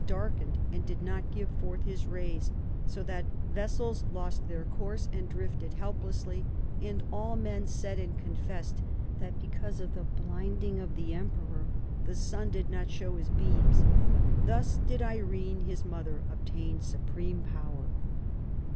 darkened and did not give forth his rays, so that vessels lost their course and drifted helplessly, and all men said and confessed that because of the blind ing of the emperor the sun did not show his beams. Thus did Irene his mother obtain supreme power."